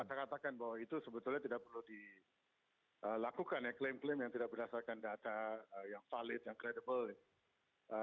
ya saya ingin mengatakan bahwa itu sebetulnya tidak perlu dilakukan klaim klaim yang tidak berdasarkan data yang valid yang credible